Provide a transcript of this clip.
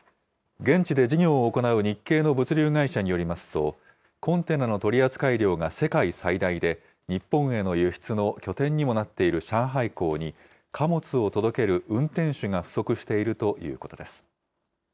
現地で事業を行う日系の物流会社によりますと、コンテナの取り扱い量が世界最大で、日本への輸出の拠点にもなっている上海港に貨物を届ける運転手が不足しているということです。